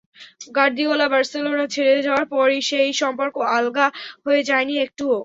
Guardiola Barcelona ছেড়ে যাওয়ার পরও সেই সম্পর্ক আলগা হয়ে যায়নি একটুও।